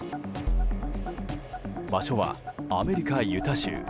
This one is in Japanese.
場所はアメリカ・ユタ州。